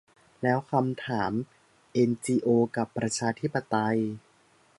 และคำถามเอ็นจีโอกับประชาธิปไตย